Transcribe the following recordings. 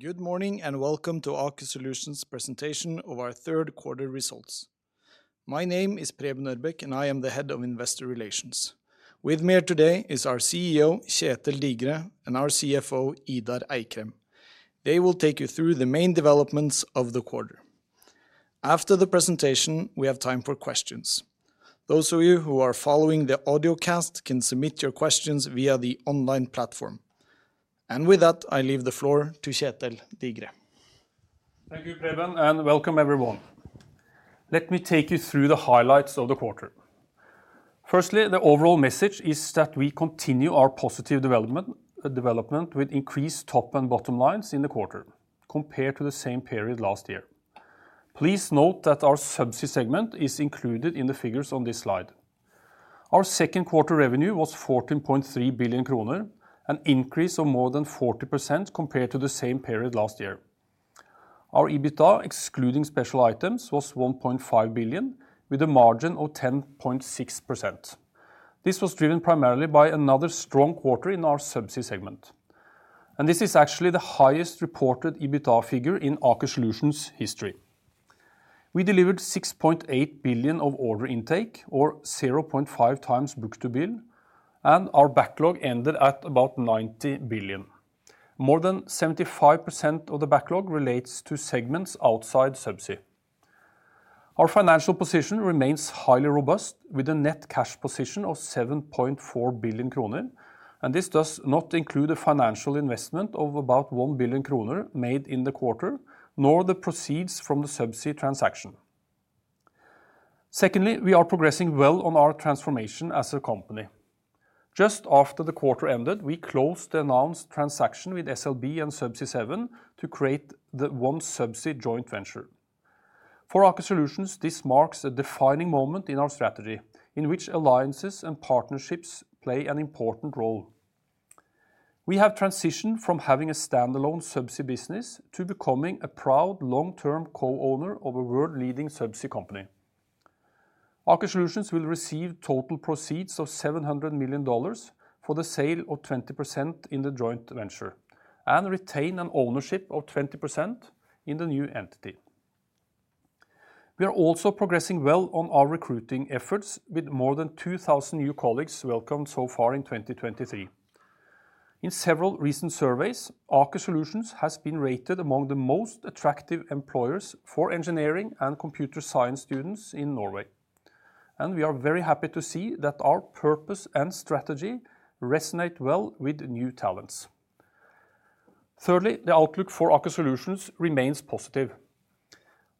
Good morning, and welcome to Aker Solutions presentation of our third quarter results. My name is Preben Ørbeck, and I am the head of Investor Relations. With me here today is our CEO, Kjetel Digre, and our CFO, Idar Eikrem. They will take you through the main developments of the quarter. After the presentation, we have time for questions. Those of you who are following the audio cast can submit your questions via the online platform. With that, I leave the floor to Kjetel Digre. Thank you, Preben, and welcome everyone. Let me take you through the highlights of the quarter. Firstly, the overall message is that we continue our positive development with increased top and bottom lines in the quarter compared to the same period last year. Please note that our Subsea segment is included in the figures on this slide. Our third quarter revenue was 14.3 billion kroner, an increase of more than 40% compared to the same period last year. Our EBITDA, excluding special items, was 1.5 billion, with a margin of 10.6%. This was driven primarily by another strong quarter in our Subsea segment, and this is actually the highest reported EBITDA figure in Aker Solutions history. We delivered 6.8 billion of order intake, or 0.5 times book-to-bill, and our backlog ended at about 90 billion. More than 75% of the backlog relates to segments outside Subsea. Our financial position remains highly robust, with a net cash position of 7.4 billion kroner, and this does not include a financial investment of about 1 billion kroner made in the quarter, nor the proceeds from the Subsea transaction. Secondly, we are progressing well on our transformation as a company. Just after the quarter ended, we closed the announced transaction with SLB and Subsea 7 to create the OneSubsea joint venture. For Aker Solutions, this marks a defining moment in our strategy, in which alliances and partnerships play an important role. We have transitioned from having a standalone Subsea business to becoming a proud long-term co-owner of a world-leading Subsea company. Aker Solutions will receive total proceeds of $700 million for the sale of 20% in the joint venture and retain an ownership of 20% in the new entity. We are also progressing well on our recruiting efforts, with more than 2,000 new colleagues welcomed so far in 2023. In several recent surveys, Aker Solutions has been rated among the most attractive employers for engineering and computer science students in Norway, and we are very happy to see that our purpose and strategy resonate well with new talents. Thirdly, the outlook for Aker Solutions remains positive.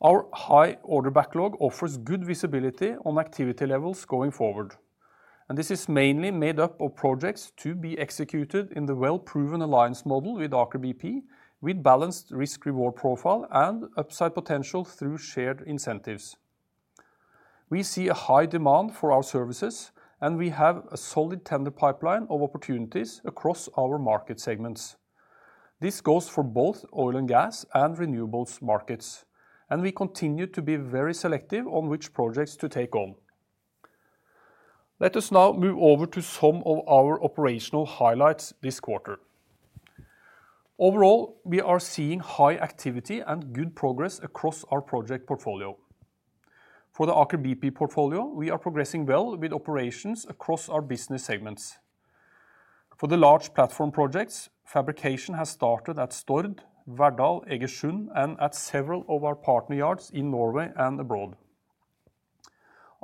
Our high order backlog offers good visibility on activity levels going forward, and this is mainly made up of projects to be executed in the well-proven alliance model with Aker BP, with balanced risk-reward profile and upside potential through shared incentives. We see a high demand for our services, and we have a solid tender pipeline of opportunities across our market segments. This goes for both oil and gas and renewables markets, and we continue to be very selective on which projects to take on. Let us now move over to some of our operational highlights this quarter. Overall, we are seeing high activity and good progress across our project portfolio. For the Aker BP portfolio, we are progressing well with operations across our business segments. For the large platform projects, fabrication has started at Stord, Verdal, Egersund, and at several of our partner yards in Norway and abroad.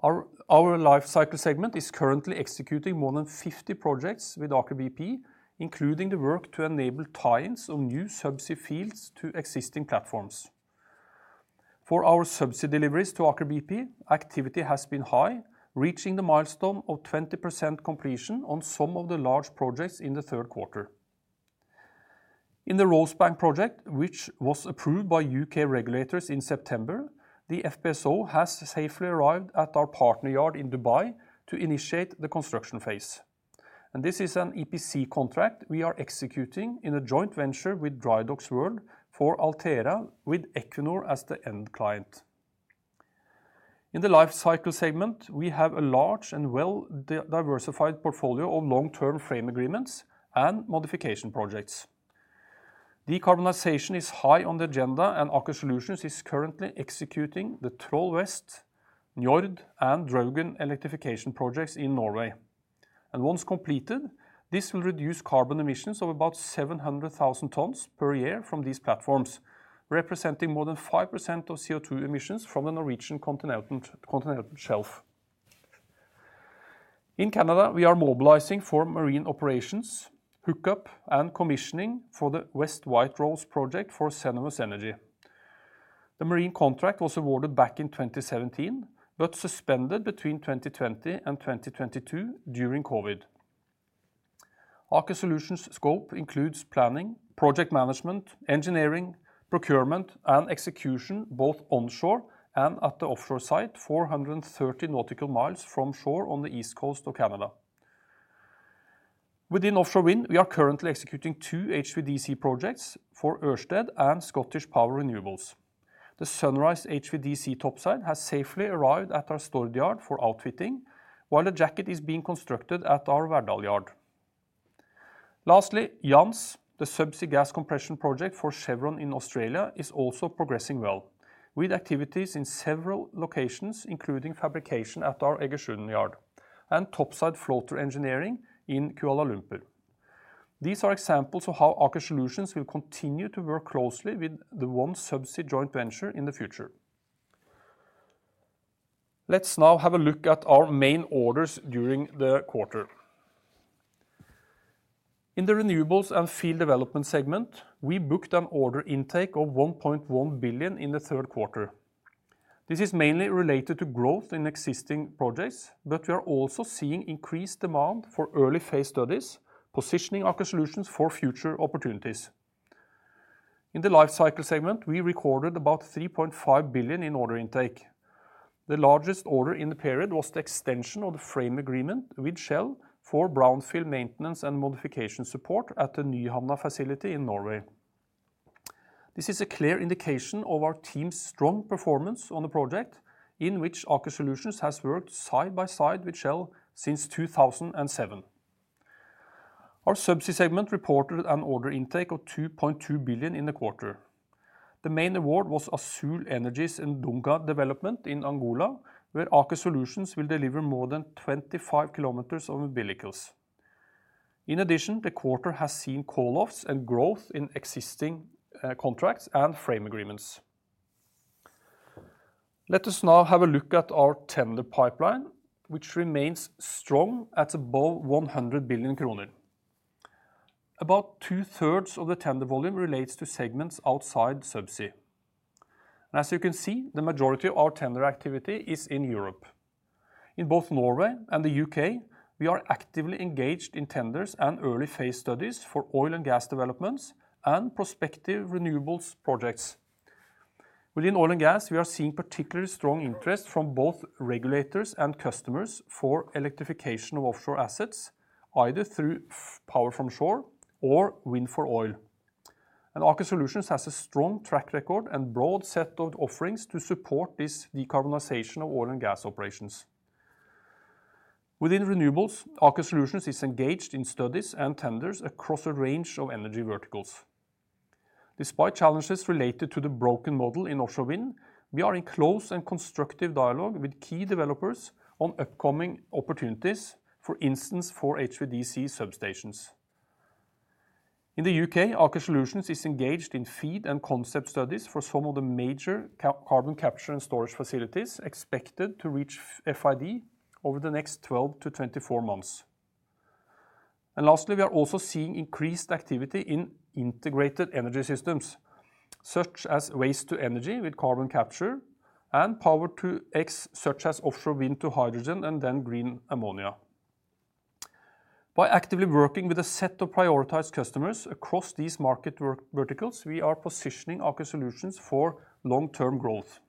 Our Life Cycle segment is currently executing more than 50 projects with Aker BP, including the work to enable tie-ins on new subsea fields to existing platforms. For our Subsea deliveries to Aker BP, activity has been high, reaching the milestone of 20% completion on some of the large projects in the third quarter. In the Rosebank project, which was approved by UK regulators in September, the FPSO has safely arrived at our partner yard in Dubai to initiate the construction phase, and this is an EPC contract we are executing in a joint venture with Drydocks World for Altera, with Equinor as the end client. In the Life Cycle segment, we have a large and well diversified portfolio of long-term frame agreements and modification projects. Decarbonization is high on the agenda, and Aker Solutions is currently executing the Troll West, Njord, and Draugen electrification projects in Norway. And once completed, this will reduce carbon emissions of about 700,000 tons per year from these platforms, representing more than 5% of CO2 emissions from the Norwegian continental shelf. In Canada, we are mobilizing for marine operations, hookup, and commissioning for the West White Rose project for Cenovus Energy. The marine contract was awarded back in 2017 but suspended between 2020 and 2022 during COVID. Aker Solutions scope includes planning, project management, engineering, procurement, and execution, both onshore and at the offshore site, 430 nautical miles from shore on the east coast of Canada. Within offshore wind, we are currently executing two HVDC projects for Ørsted and Scottish Power Renewables.... The Sunrise HVDC topside has safely arrived at our Stord yard for outfitting, while the jacket is being constructed at our Verdal yard. Lastly, Jansz, the subsea gas compression project for Chevron in Australia, is also progressing well, with activities in several locations, including fabrication at our Egersund yard and topside floater engineering in Kuala Lumpur. These are examples of how Aker Solutions will continue to work closely with the OneSubsea joint venture in the future. Let us now have a look at our main orders during the quarter. In the renewables and field development segment, we booked an order intake of 1.1 billion in the third quarter. This is mainly related to growth in existing projects, but we are also seeing increased demand for early-phase studies, positioning Aker Solutions for future opportunities. In the Life Cycle segment, we recorded about 3.5 billion in order intake. The largest order in the period was the extension of the frame agreement with Shell for brownfield maintenance and modification support at the Nyhamna facility in Norway. This is a clear indication of our team's strong performance on the project, in which Aker Solutions has worked side by side with Shell since 2007. Our Subsea segment reported an order intake of 2.2 billion in the quarter. The main award was Azule Energy's Ndonga development in Angola, where Aker Solutions will deliver more than 25 kilometers of umbilicals. In addition, the quarter has seen call-offs and growth in existing contracts and frame agreements. Let us now have a look at our tender pipeline, which remains strong at above 100 billion kroner. About two-thirds of the tender volume relates to segments outside Subsea. As you can see, the majority of our tender activity is in Europe. In both Norway and the UK, we are actively engaged in tenders and early-phase studies for oil and gas developments and prospective renewables projects. Within oil and gas, we are seeing particularly strong interest from both regulators and customers for electrification of offshore assets, either through power from shore or wind for oil. Aker Solutions has a strong track record and broad set of offerings to support this decarbonization of oil and gas operations. Within renewables, Aker Solutions is engaged in studies and tenders across a range of energy verticals. Despite challenges related to the broken model in offshore wind, we are in close and constructive dialogue with key developers on upcoming opportunities, for instance, for HVDC substations. In the UK, Aker Solutions is engaged in FEED and concept studies for some of the major carbon capture and storage facilities expected to reach FID over the next 12 - 24 months. And lastly, we are also seeing increased activity in integrated energy systems, such as waste-to-energy with carbon capture and Power-to-X, such as offshore wind to hydrogen and then green ammonia. By actively working with a set of prioritized customers across these market verticals, we are positioning Aker Solutions for long-term growth.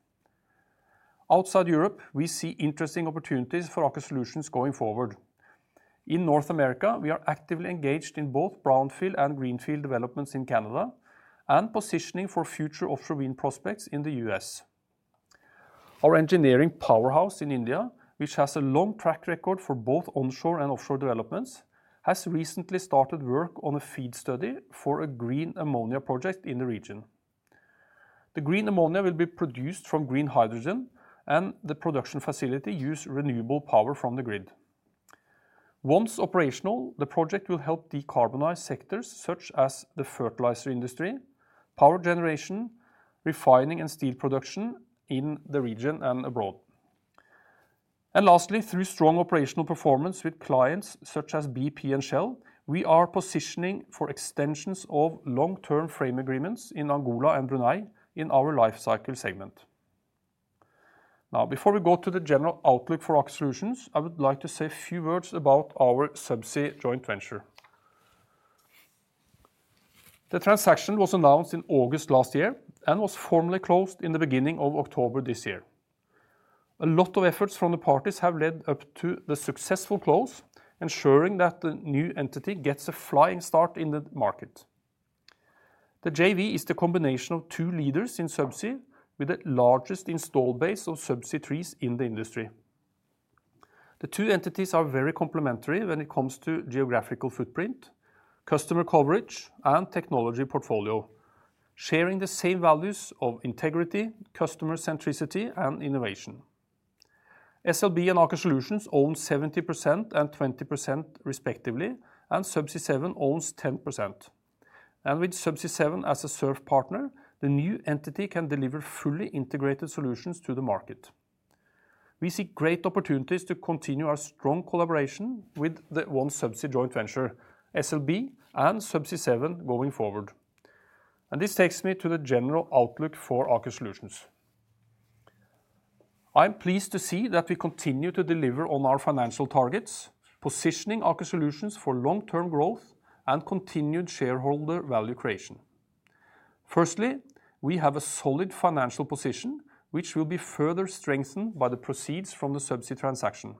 Outside Europe, we see interesting opportunities for Aker Solutions going forward. In North America, we are actively engaged in both brownfield and greenfield developments in Canada and positioning for future offshore wind prospects in the U.S. Our engineering powerhouse in India, which has a long track record for both onshore and offshore developments, has recently started work on a FEED study for a green ammonia project in the region. The green ammonia will be produced from green hydrogen, and the production facility uses renewable power from the grid.. Once operational, the project will help decarbonize sectors such as the fertilizer industry, power generation, refining, and steel production in the region and abroad. Lastly, through strong operational performance with clients such as BP and Shell, we are positioning for extensions of long-term frame agreements in Angola and Brunei in our Life Cycle segment. Now, before we go to the general outlook for Aker Solutions, I would like to say a few words about our Subsea joint venture. The transaction was announced in August last year and was formally closed in the beginning of October this year. A lot of efforts from the parties have led up to the successful close, ensuring that the new entity gets a flying start in the market. The JV is the combination of two leaders in subsea, with the largest installed base of subsea trees in the industry. The two entities are very complementary when it comes to geographical footprint, customer coverage, and technology portfolio, sharing the same values of integrity, customer centricity, and innovation. SLB and Aker Solutions own 70% and 20% respectively, and Subsea 7 owns 10%. And with Subsea 7 as a SURF partner, the new entity can deliver fully integrated solutions to the market. We see great opportunities to continue our strong collaboration with the OneSubsea joint venture, SLB and Subsea 7, going forward. This takes me to the general outlook for Aker Solutions. I am pleased to see that we continue to deliver on our financial targets, positioning Aker Solutions for long-term growth and continued shareholder value creation. Firstly, we have a solid financial position, which will be further strengthened by the proceeds from the Subsea transaction....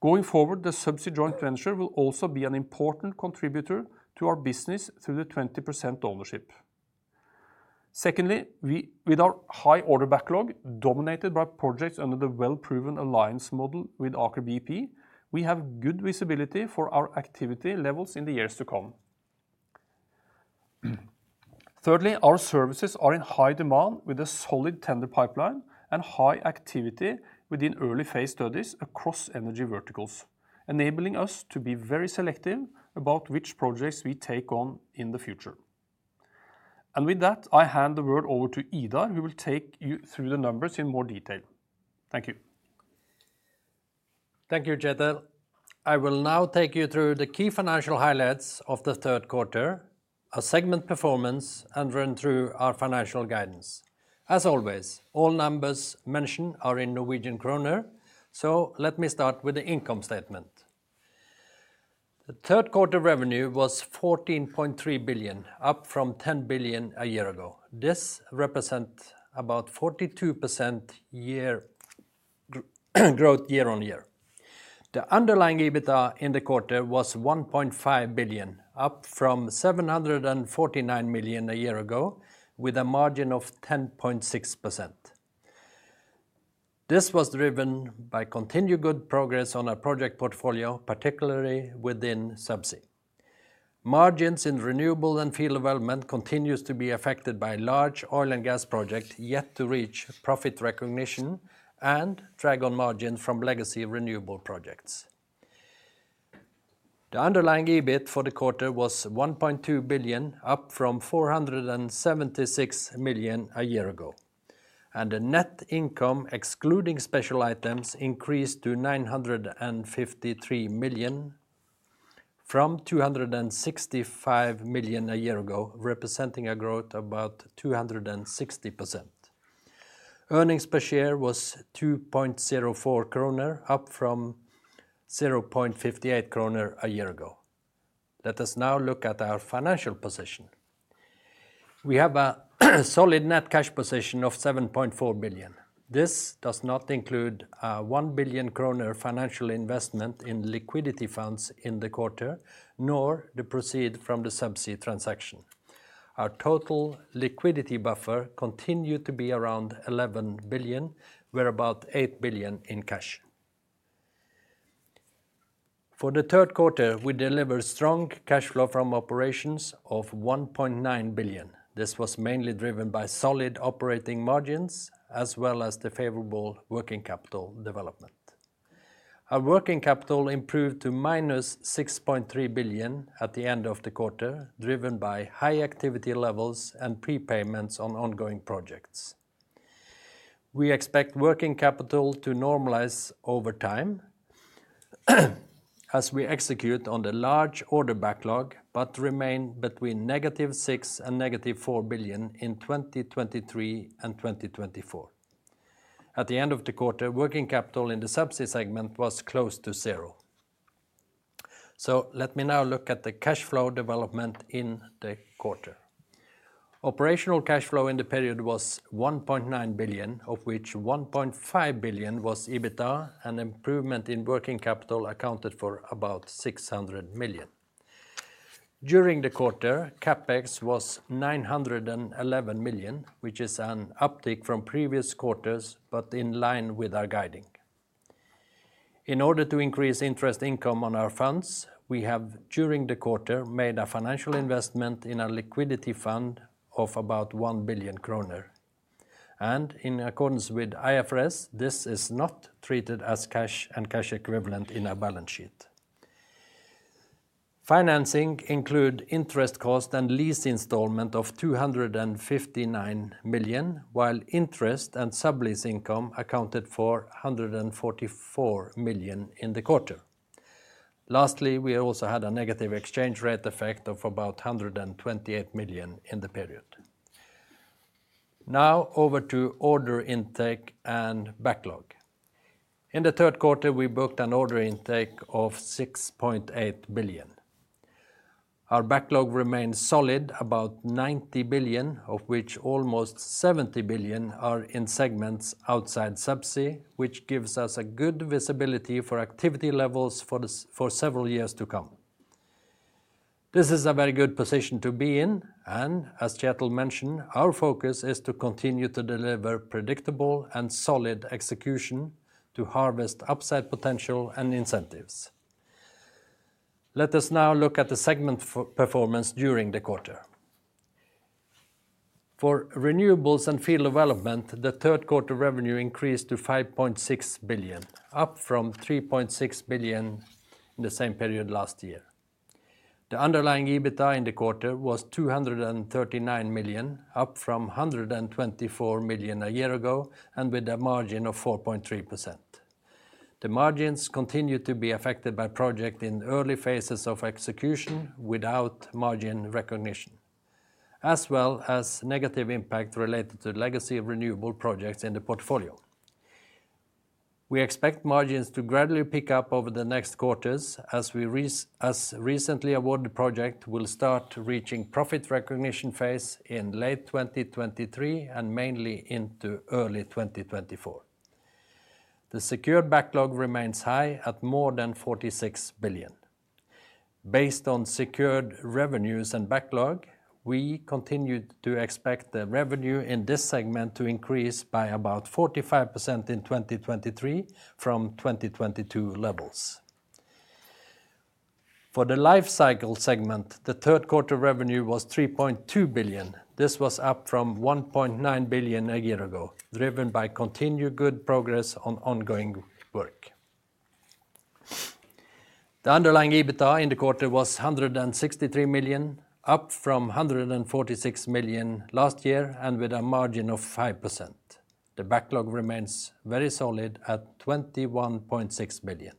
Going forward, the Subsea joint venture will also be an important contributor to our business through the 20% ownership. Secondly, with our high order backlog, dominated by projects under the well-proven alliance model with Aker BP, we have good visibility for our activity levels in the years to come. Thirdly, our services are in high demand with a solid tender pipeline and high activity within early phase studies across energy verticals, enabling us to be very selective about which projects we take on in the future. With that, I hand the word over to Idar, who will take you through the numbers in more detail. Thank you. Thank you, Kjetel. I will now take you through the key financial highlights of the third quarter, our segment performance, and run through our financial guidance. As always, all numbers mentioned are in Norwegian kroner, so let me start with the income statement. The third quarter revenue was 14.3 billion, up from 10 billion a year ago. This represents about 42% year-on-year growth. The underlying EBITDA in the quarter was 1.5 billion, up from 749 million a year ago, with a margin of 10.6%. This was driven by continued good progress on our project portfolio, particularly within Subsea. Margins in renewables and field development continue to be affected by large oil and gas projects yet to reach profit recognition and drag on margins from legacy renewable projects. The underlying EBIT for the quarter was 1.2 billion, up from 476 million a year ago, and the net income, excluding special items, increased to 953 million from 265 million a year ago, representing a growth of about 260%. Earnings per share was 2.04 kroner, up from 0.58 kroner a year ago. Let us now look at our financial position. We have a solid net cash position of 7.4 billion. This does not include a 1 billion kroner financial investment in liquidity funds in the quarter, nor the proceeds from the Subsea transaction. Our total liquidity buffer continued to be around 11 billion, with about 8 billion in cash. For the third quarter, we delivered strong cash flow from operations of 1.9 billion. This was mainly driven by solid operating margins, as well as the favorable working capital development. Our working capital improved to -6.3 billion at the end of the quarter, driven by high activity levels and prepayments on ongoing projects. We expect working capital to normalize over time, as we execute on the large order backlog, but remain between -6 billion and -4 billion in 2023 and 2024. At the end of the quarter, working capital in the Subsea segment was close to zero. So let me now look at the cash flow development in the quarter. Operational cash flow in the period was 1.9 billion, of which 1.5 billion was EBITDA, an improvement in working capital accounted for about 600 million. During the quarter, CapEx was 911 million, which is an uptick from previous quarters, but in line with our guiding. In order to increase interest income on our funds, we have, during the quarter, made a financial investment in a liquidity fund of about 1 billion kroner. In accordance with IFRS, this is not treated as cash and cash equivalent in our balance sheet. Financing includes interest costs and lease installments of 259 million, while interest and sublease income accounted for 144 million in the quarter. Lastly, we also had a negative exchange rate effect of about 128 million in the period. Now over to order intake and backlog. In the third quarter, we booked an order intake of 6.8 billion. Our backlog remains solid, about 90 billion, of which almost 70 billion are in segments outside Subsea, which gives us a good visibility for activity levels for several years to come. This is a very good position to be in, and as Kjetel mentioned, our focus is to continue to deliver predictable and solid execution to harvest upside potential and incentives. Let us now look at the segment for performance during the quarter. For renewables and field development, the third quarter revenue increased to 5.6 billion, up from 3.6 billion in the same period last year. The underlying EBITDA in the quarter was 239 million, up from 124 million a year ago, and with a margin of 4.3%. The margins continue to be affected by projects in early phases of execution without margin recognition, as well as negative impact related to legacy of renewable projects in the portfolio. We expect margins to gradually pick up over the next quarters as recently awarded projects will start reaching the profit recognition phase in late 2023 and mainly into early 2024. The secured backlog remains high at more than 46 billion. Based on secured revenues and backlog, we continued to expect the revenue in this segment to increase by about 45% in 2023 from 2022 levels. For the Life Cycle segment, the third quarter revenue was 3.2 billion. This was up from 1.9 billion a year ago, driven by continued good progress on ongoing work. The underlying EBITDA in the quarter was 163 million, up from 146 million last year, and with a margin of 5%. The backlog remains very solid at 21.6 billion.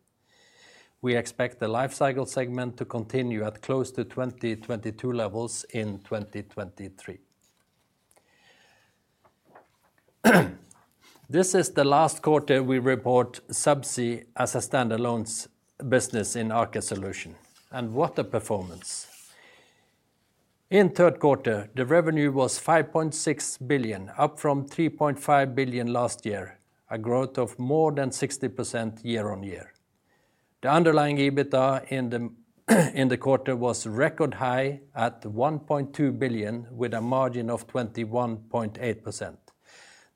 We expect the Life Cycle segment to continue at close to 2022 levels in 2023. This is the last quarter we report Subsea as a stand-alone business in Aker Solutions, and what a performance! In the third quarter, the revenue was 5.6 billion, up from 3.5 billion last year, a growth of more than 60% year-on-year. The underlying EBITDA in the quarter was record high at 1.2 billion, with a margin of 21.8%.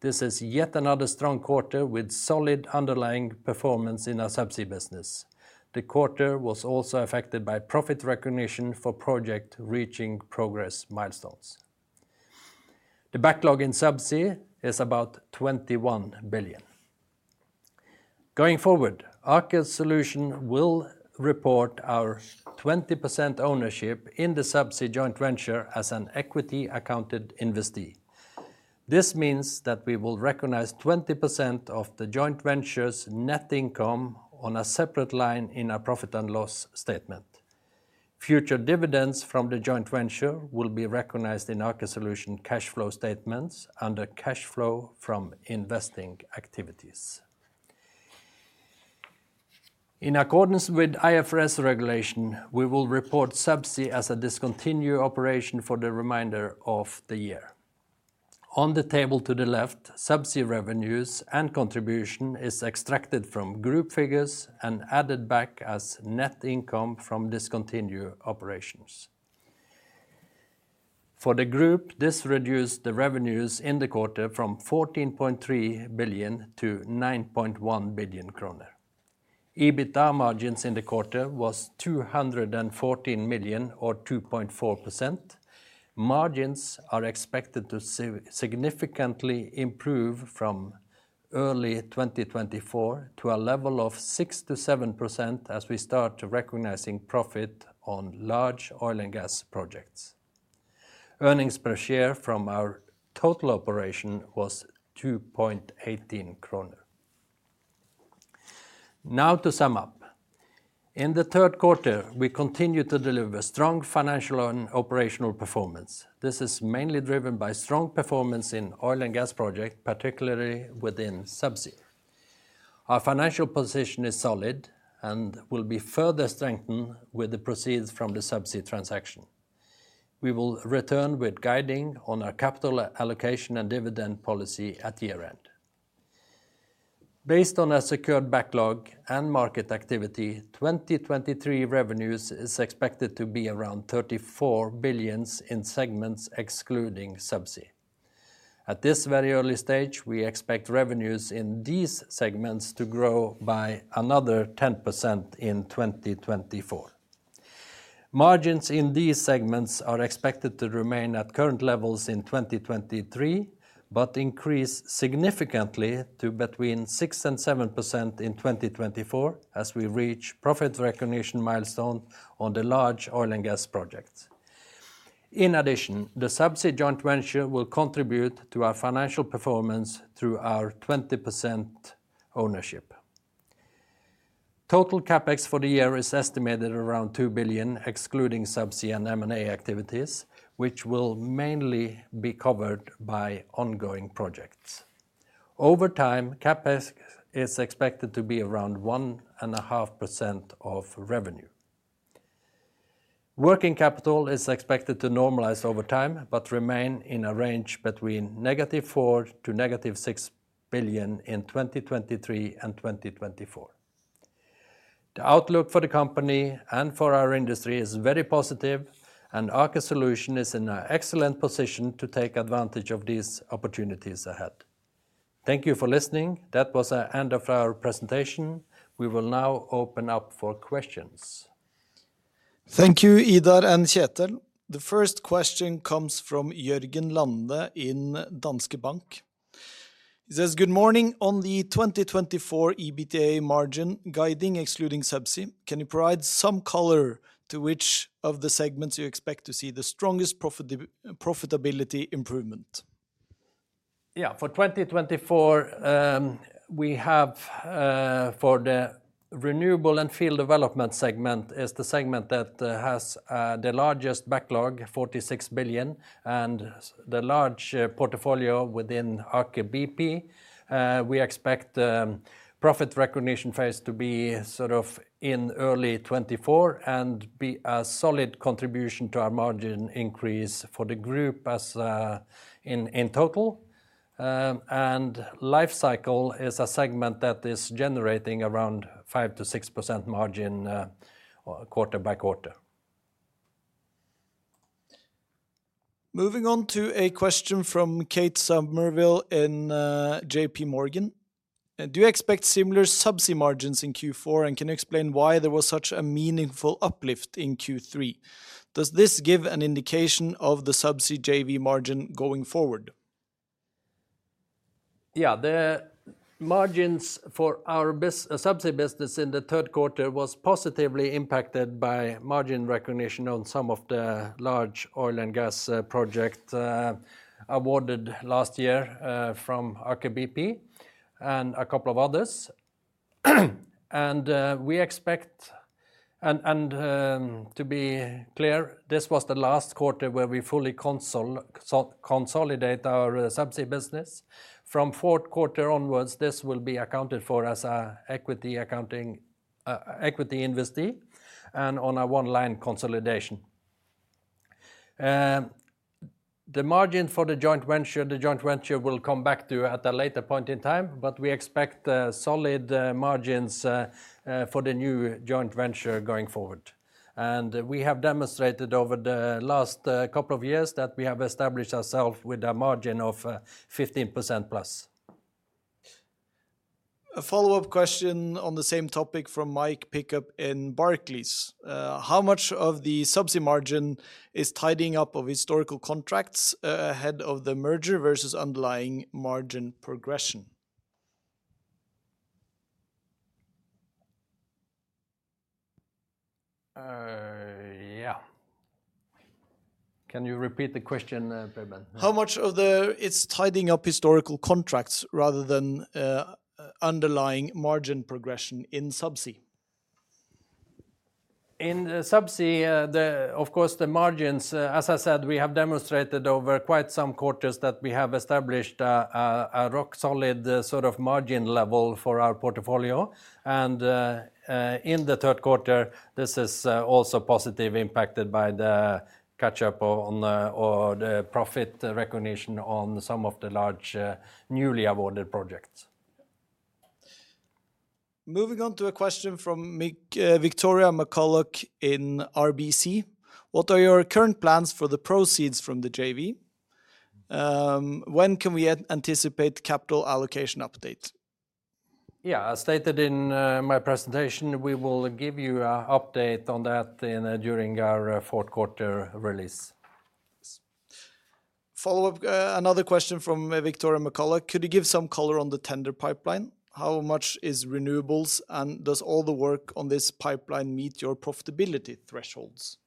This is yet another strong quarter with solid underlying performance in our Subsea business. The quarter was also affected by profit recognition for project reaching progress milestones. The backlog in Subsea is about 21 billion. Going forward, Aker Solutions will report our 20% ownership in the Subsea joint venture as an equity-accounted investee. This means that we will recognize 20% of the joint venture's net income on a separate line in our profit and loss statement. Future dividends from the joint venture will be recognized in Aker Solutions cash flow statements under cash flow from investing activities. In accordance with IFRS regulation, we will report Subsea as a discontinued operation for the remainder of the year. On the table to the left, Subsea revenues and contribution are extracted from group figures and added back as net income from discontinued operations. For the group, this reduced the revenues in the quarter from 14.3 billion to 9.1 billion kroner. EBITDA in the quarter was 214 million, with a margin of 2.4%. Margins are expected to significantly improve from early 2024 to a level of 6% - 7% as we start recognizing profit on large oil and gas projects. Earnings per share from our total operations was 2.18 kroner. Now to sum up. In the third quarter, we continued to deliver strong financial and operational performance. This is mainly driven by strong performance in oil and gas projects, particularly within Subsea. Our financial position is solid and will be further strengthened with the proceeds from the Subsea transaction. We will return with guidance on our capital allocation and dividend policy at year-end. Based on a secured backlog and market activity, 2023 revenues are expected to be around 34 billion in segments excluding Subsea. At this very early stage, we expect revenues in these segments to grow by another 10% in 2024. Margins in these segments are expected to remain at current levels in 2023, but increase significantly to between 6% and 7% in 2024, as we reach profit recognition milestones on the large oil and gas projects. In addition, the Subsea joint venture will contribute to our financial performance through our 20% ownership. Total CapEx for the year is estimated around 2 billion, excluding Subsea and M&A activities, which will mainly be covered by ongoing projects. Over time, CapEx is expected to be around 1.5% of revenue. Working capital is expected to normalize over time, but remain in a range between -4 billion and -6 billion in 2023 and 2024. The outlook for the company and for our industry is very positive, and Aker Solutions is in an excellent position to take advantage of these opportunities ahead. Thank you for listening. That was the end of our presentation. We will now open up for questions. Thank you, Idar and Kjetel. The first question comes from Jørgen Lande in Danske Bank. He says: Good morning. On the 2024 EBITDA margin, guiding excluding Subsea, can you provide some color to which of the segments you expect to see the strongest profitability improvement? Yeah, for 2024, we have, the renewables and field development segment is the segment that has the largest backlog, 46 billion, and the large portfolio within Aker BP. We expect, profit recognition phase to be in early 2024, and be a solid contribution to our margin increase for the group as, in, in total, and Life Cycle is a segment that is generating around 5% - 6% margin, quarter by quarter. Moving on to a question from Kate Somerville in J.P. Morgan. Do you expect similar subsea margins in Q4? And can you explain why there was such a meaningful uplift in Q3? Does this give an indication of the subsea JV margin going forward? Yeah. The margins for our subsea business in the third quarter was positively impacted by margin recognition on some of the large oil and gas projects awarded last year from Aker BP and a couple of others. And we expect. And, and, to be clear, this was the last quarter where we fully consolidate our subsea business. From fourth quarter onwards, this will be accounted for as an equity-accounted investee and on a one-line consolidation. The margin for the joint venture, the joint venture will come back to at a later point in time, but we expect solid margins for the new joint venture going forward. And we have demonstrated over the last couple of years that we have established ourselves with a margin of 15% plus. A follow-up question on the same topic from Mick Pickup in Barclays. How much of the subsea margin is tidying up of historical contracts, ahead of the merger versus underlying margin progression? Yeah. Can you repeat the question, Preben? How much of this is tidying up historical contracts rather than underlying margin progression in subsea? In subsea, of course, the margins, as I said, we have demonstrated over quite some quarters that we have established a rock solid margin level for our portfolio. And in the third quarter, this is also positively impacted by the catch-up on the, or the profit recognition on some of the large newly awarded projects. Moving on to a question from Victoria McCullough in RBC. What are your current plans for the proceeds from the JV? When can we anticipate capital allocation update? Yeah, as stated in my presentation, we will give you an update on that during our fourth quarter release. Follow-up, another question from Victoria McCullough. Could you give some color on the tender pipeline? How much is renewables, and does all the work on this pipeline meet your profitability thresholds?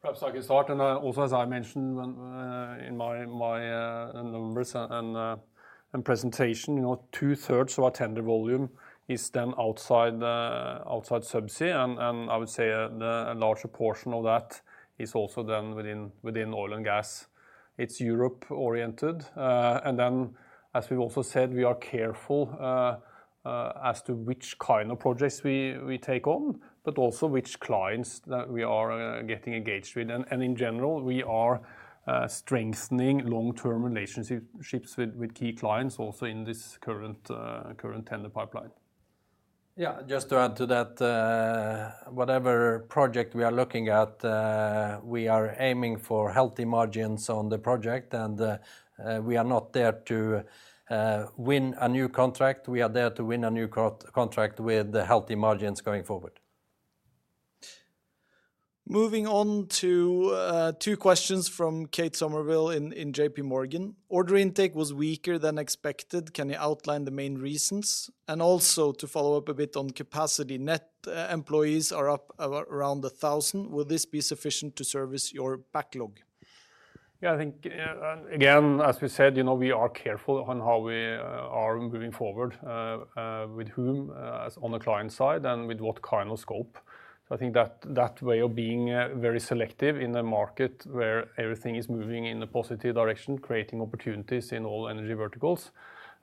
Perhaps I can start, and also, as I mentioned when in my numbers and presentation, you know, two-thirds of our tender volume is then outside the outside subsea, and I would say, a larger portion of that is also then within oil and gas. It is Europe-oriented. As we have also said, we are careful as to which kind of projects we take on, but also which clients that we are getting engaged with. And in general, we are strengthening long-term relationships with key clients, also in this current tender pipeline. Yeah, just to add to that, whatever project we are looking at, we are aiming for healthy margins on the project, and we are not there to win a new contract. We are there to win a new contract with the healthy margins going forward. Moving on to two questions from Kate Somerville in, in JP Morgan. Order intake was weaker than expected. Can you outline the main reasons? And also to follow up a bit on capacity, net employees are up around 1,000. Will this be sufficient to service your backlog? Yeah, I think, and again, as we said, you know, we are careful on how we are moving forward, with whom, as on the client side and with what kind of scope. So I think that, that way of being, very selective in a market where everything is moving in a positive direction, creating opportunities in all energy verticals,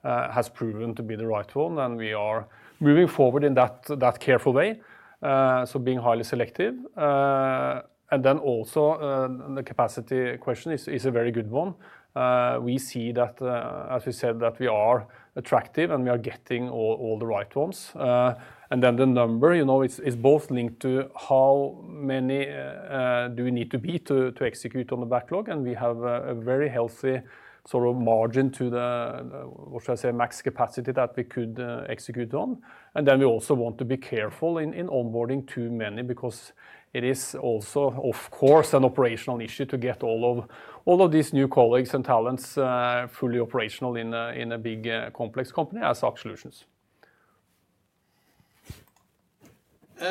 has proven to be the right one, and we are moving forward in that, that careful way, so being highly selective. And then also, the capacity question is a very good one. We see that, as we said, that we are attractive, and we are getting all, all the right ones. And then the number, you know, is both linked to how many do we need to be to execute on the backlog, and we have a very healthy margin to the, what should I say? Max capacity that we could execute on. And then we also want to be careful in onboarding too many because it is also, of course, an operational issue to get all of these new colleagues and talents fully operational in a big, complex company as our solutions.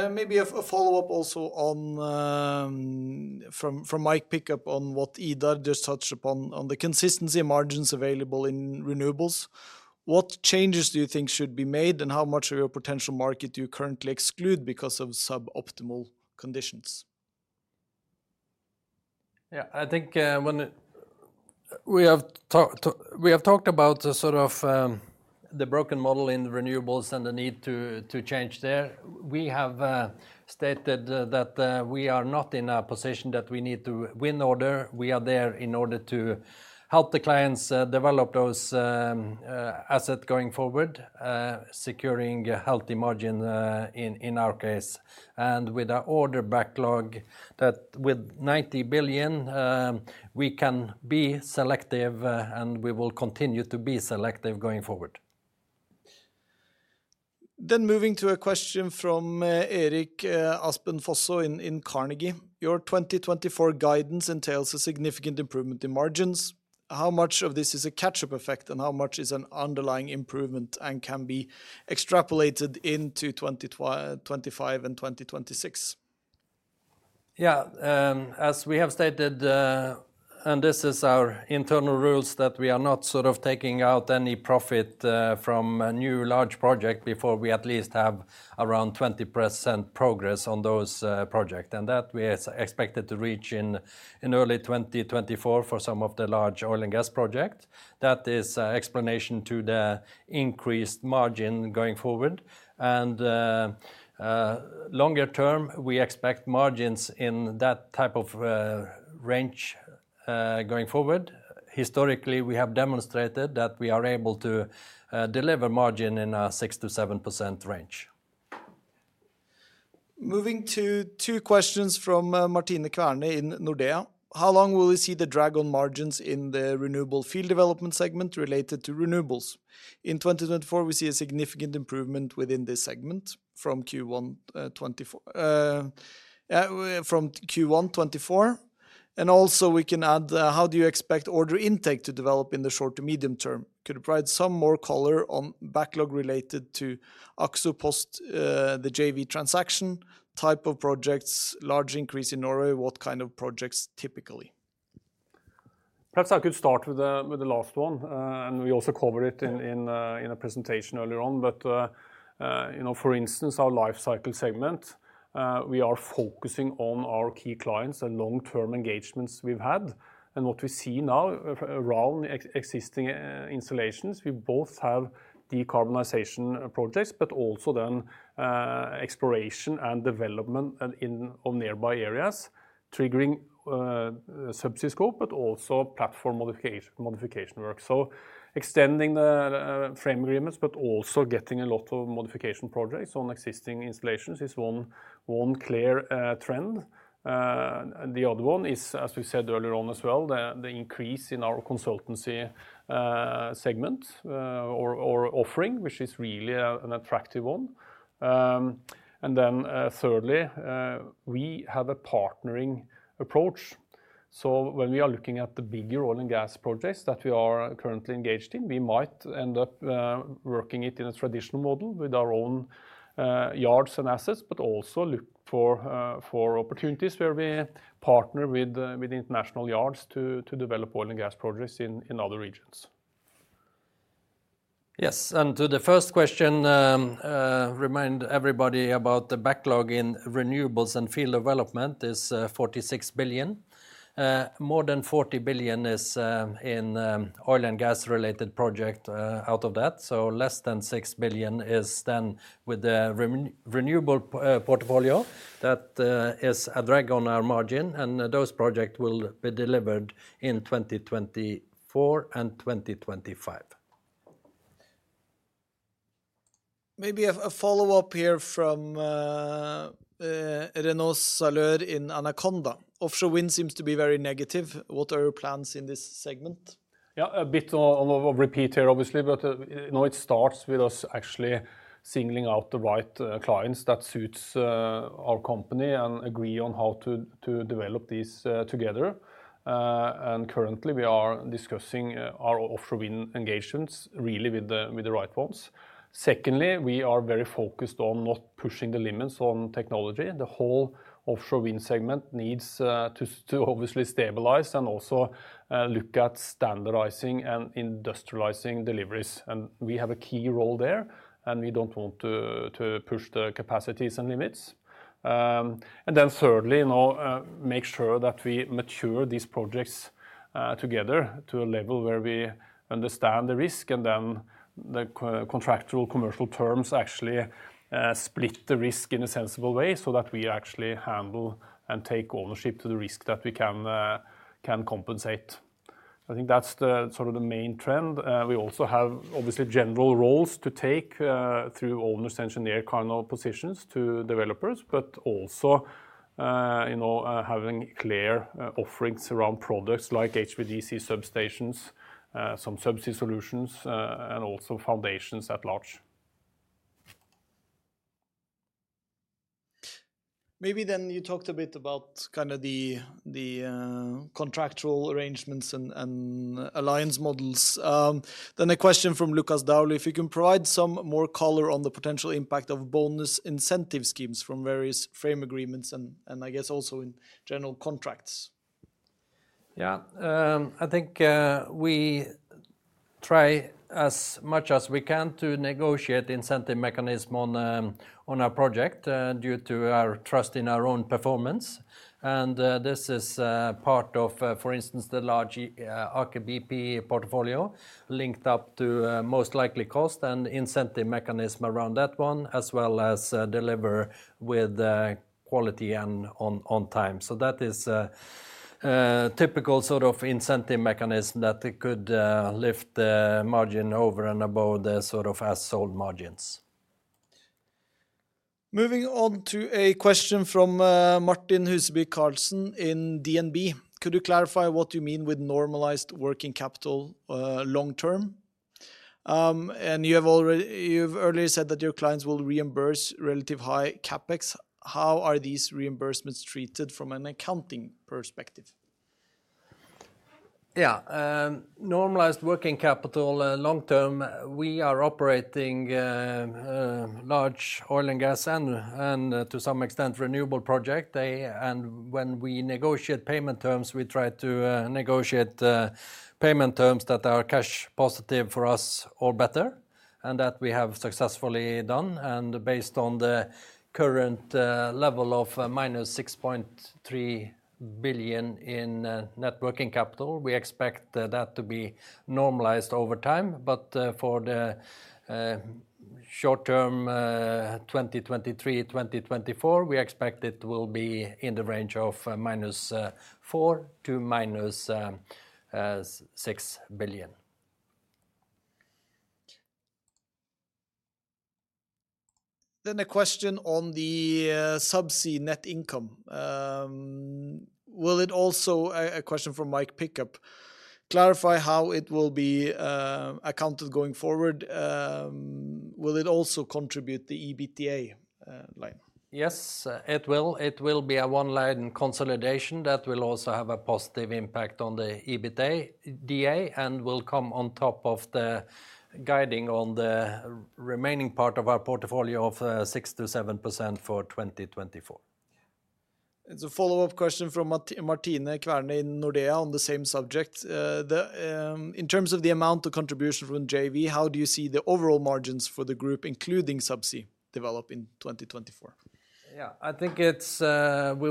Maybe a follow-up also on from Mike Pickup on what Idar just touched upon, on the consistent margins available in renewables. What changes do you think should be made, and how much of your potential market do you currently exclude because of suboptimal conditions? We have talked about the broken model in renewables and the need to change there. We have stated that we are not in a position that we need to win orders. We are there in order to help the clients develop those asset going forward, securing a healthy margin, in our case, and with our order backlog, that with 90 billion, we can be selective, and we will continue to be selective going forward. Then moving to a question from Eirik Aspen Fosså in Carnegie: "Your 2024 guidance entails a significant improvement in margins. How much of this is a catch-up effect, and how much is an underlying improvement and can be extrapolated into 2025 and 2026? Yeah. As we have stated, this is our internal rules, that we are not taking out any profit from a new large project before we at least have around 20% progress on those projects. That we expected to reach in early 2024 for some of the large oil and gas project. That is explanation to the increased margin going forward. Longer term, we expect margins in that type of range going forward. Historically, we have demonstrated that we are able to deliver margin in a 6% - 7% range. Moving to two questions from Martine Kverne in Nordea: "How long will we see the drag on margins in the renewable field development segment related to renewables? In 2024, we see a significant improvement within this segment from Q1 2024. From Q1 2024." And also we can add: "How do you expect order intake to develop in the short to medium term? Could you provide some more color on backlog related to Aker post the JV transaction type of projects, large increase in Norway, what kind of projects typically? Perhaps I could start with the last one, and we also covered it in a presentation earlier on. But you know, for instance, our lifecycle segment, we are focusing on our key clients and long-term engagements we have had. And what we see now, around existing installations, we both have decarbonization projects, but also then exploration and development and in on nearby areas, triggering subsea scope, but also platform modification work. So extending the frame agreements, but also getting a lot of modification projects on existing installations is one clear trend. The other one is, as we said earlier on as well, the increase in our consultancy segment, or offering, which is really an attractive one. And then, thirdly, we have a partnering approach. So when we are looking at the bigger oil and gas projects that we are currently engaged in, we might end up working in a traditional model with our own yards and assets, but also look for opportunities where we partner with international yards to develop oil and gas projects in other regions. Yes, and to the first question, remind everybody about the backlog in renewables and field development is 46 billion. More than 40 billion is in oil and gas-related project, out of that, so less than 6 billion is then with the renewable portfolio. That is a drag on our margin, and those projects will be delivered in 2024 and 2025. Maybe a follow-up here from Runar Sæle in Anaconda. "Offshore wind seems to be very negative. What are your plans in this segment? Yeah, a bit of repeat here, obviously, but, you know, it starts with us actually singling out the right clients that suits our company and agree on how to develop this together. And currently, we are discussing our offshore wind engagements really with the right ones. Secondly, we are very focused on not pushing the limits on technology. The whole offshore wind segment needs to obviously stabilize and also look at standardizing and industrializing deliveries. And we have a key role there, and we do not want to push the capacities and limits. Then thirdly, you know, make sure that we mature these projects together to a level where we understand the risk, and then the contractual commercial terms actually split the risk in a sensible way, so that we actually handle and take ownership to the risk that we can compensate. I think that is the main trend. We also have, obviously, general roles to take through owner's engineer cardinal positions to developers, but also, you know, having clear offerings around products like HVDC substations, some subsea solutions, and also foundations at large. Maybe then you talked a bit about kind of the contractual arrangements and alliance models. Then a question from Lukas Daul: "If you can provide some more color on the potential impact of bonus incentive schemes from various frame agreements and I guess also in general contracts? I think we try as much as we can to negotiate incentive mechanism on our project due to our trust in our own performance. This is part of for instance the large Aker BP portfolio linked up to most likely cost and incentive mechanism around that one, as well as deliver with quality and on time. That is typical sort of incentive mechanism that it could lift the margin over and above the as-sold margins. Moving on to a question from Martin Huseby Karlsen in DNB: Could you clarify what you mean with normalized working capital, long term? You have earlier said that your clients will reimburse relative high CapEx. How are these reimbursements treated from an accounting perspective? Normalized working capital, long term, we are operating large oil and gas and, to some extent, renewable projects. They... When we negotiate payment terms, we try to negotiate payment terms that are cash positive for us or better, and that we have successfully done. Based on the current level of -6.3 billion in net working capital, we expect that to be normalized over time. For the short term, 2023, 2024, we expect it will be in the range of -4 billion--6 billion. Then a question on the subsea net income. Will it also... A question from Mick Pickup: Clarify how it will be accounted going forward. Will it also contribute the EBITDA line? Yes, it will. It will be a one-line consolidation that will also have a positive impact on EBITDA, and will come on top of the guiding on the remaining part of our portfolio of, 6% - 7% for 2024. It is a follow-up question from Martine Kverne in Nordea on the same subject. In terms of the amount of contribution from JV, how do you see the overall margins for the group, including subsea, develop in 2024? I think we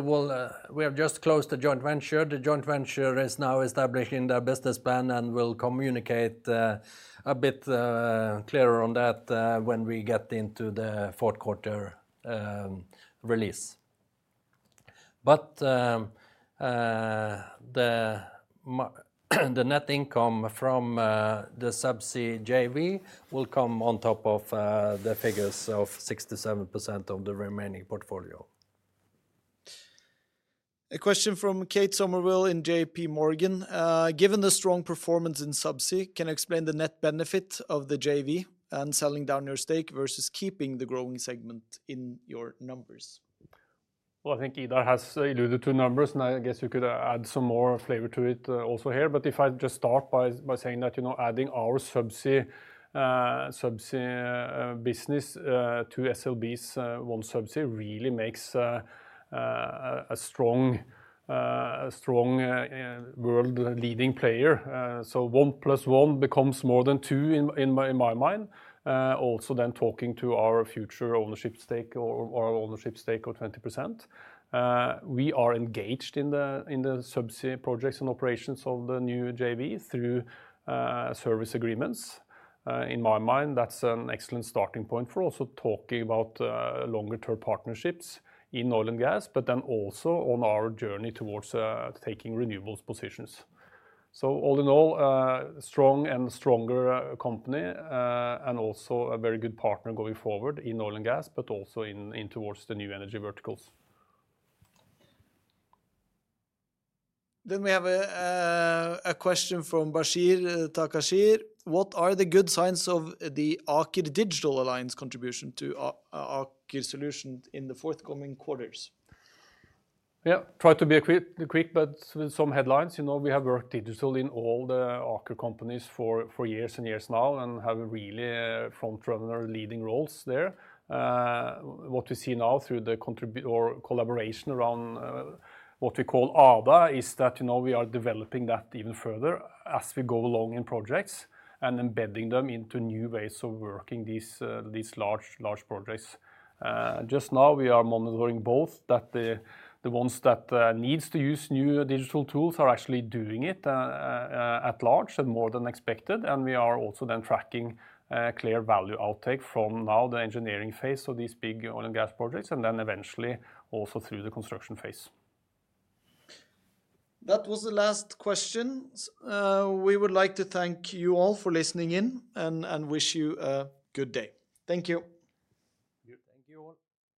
will. We have just closed the joint venture. The joint venture is now establishing their business plan and will communicate a bit clearer on that when we get into the fourth quarter release. But the net income from the subsea JV will come on top of the figures of 6% - 7% of the remaining portfolio. A question from Kate Somerville in J.P. Morgan. Given the strong performance in subsea, can you explain the net benefit of the JV and selling down your stake versus keeping the growing segment in your numbers? Well, I think Idar has alluded to numbers, and I guess you could add some more flavor to it also here. But if I just start by saying that, you know, adding our subsea business to SLB's OneSubsea really makes a strong world-leading player. So one plus one becomes more than two in my mind. Also then talking to our future ownership stake or our ownership stake of 20%. We are engaged in the subsea projects and operations of the new JV through service agreements. In my mind, that is an excellent starting point for also talking about longer-term partnerships in oil and gas, but then also on our journey towards taking renewables positions. All in all, a strong and stronger company, and also a very good partner going forward in oil and gas, but also in towards the new energy verticals. Then we have a question from Baptiste Lebacq: What are the good signs of the Aker Digital Alliance contribution to Aker Solutions in the forthcoming quarters? Yeah. Try to be quick, quick, but with some headlines. You know, we have worked digital in all the Aker companies for years and years now and have really frontrunner leading roles there. What we see now through the collaboration around what we call ADA is that, you know, we are developing that even further as we go along in projects and embedding them into new ways of working these large, large projects. Just now, we are monitoring both that the ones that needs to use new digital tools are actually doing it at large and more than expected. And we are also then tracking clear value outtake from now the engineering phase of these big oil and gas projects, and then eventually also through the construction phase. That was the last question. We would like to thank you all for listening in and, and wish you a good day. Thank you. Thank you all.